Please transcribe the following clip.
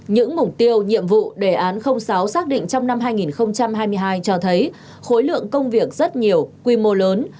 những mục tiêu nhiệm vụ đề án sáu xác định trong năm hai nghìn hai mươi hai cho thấy khối lượng công việc rất nhiều quy mô lớn